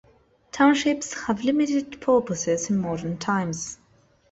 Townships have limited purposes in modern times.